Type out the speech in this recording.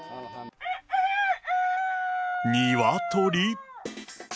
ニワトリ？